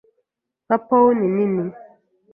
nka peony nini.